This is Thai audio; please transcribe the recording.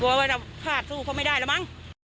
กลัวว่าเราพลาดสู้เขาไม่ได้แล้วมั้ง